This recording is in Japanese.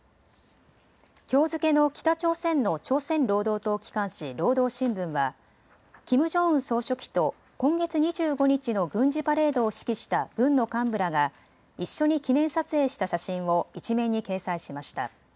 きょう付けの北朝鮮の朝鮮労働党機関紙、労働新聞はキム・ジョンウン総書記と今月２５日の軍事パレードを指揮した軍の幹部らが一緒に記念撮影した写真を１面に掲載しました。